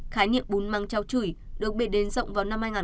khái niệm bún mắng cháo chửi được biệt đến rộng vào năm hai nghìn một mươi sáu